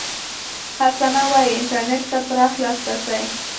حسنه وايي، انټرنېټ ته پراخ لاسرسي